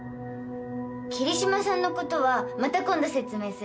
桐島さんのことはまた今度説明する。